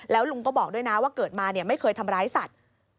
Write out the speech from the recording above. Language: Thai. แล้วลุงก็บอกด้วยนะว่าเกิดมาไม่เคยทำร้ายสัตว์